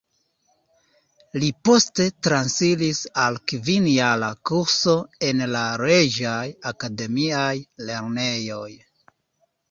Li poste transiris al kvin-jara kurso en la Reĝaj Akademiaj Lernejoj.